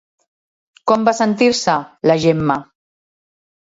Com va sentir-se, la Gemma?